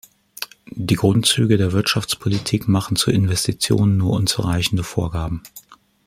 Die Grundzüge der Wirtschaftspolitik machen zu Investitionen nur unzureichende Vorgaben.